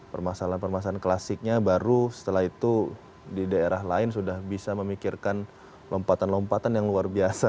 permasalahan permasalahan klasiknya baru setelah itu di daerah lain sudah bisa memikirkan lompatan lompatan yang luar biasa